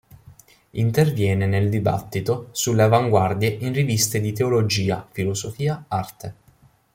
Interviene nel dibattito sulle avanguardie in riviste di teologia, filosofia, arte.